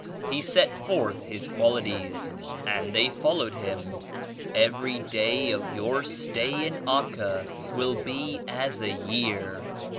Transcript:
He set forth His qualities and they followed Him. Every day of your stay in Acca will be as a year.